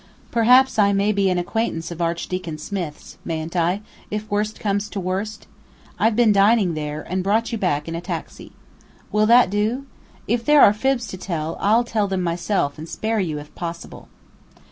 Perhaps I may be an acquaintance of Archdeacon Smith's, mayn't I, if worst comes to worst? I've been dining there, and brought you back in a taxi. Will that do? If there are fibs to tell, I'll tell them myself and spare you if possible."